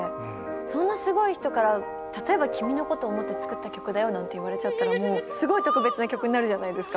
そんなすごい人から例えば君のことを思って作った曲だよなんて言われちゃったらもうすごい特別な曲になるじゃないですか。